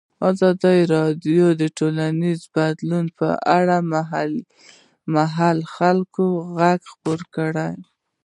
ازادي راډیو د ټولنیز بدلون په اړه د محلي خلکو غږ خپور کړی.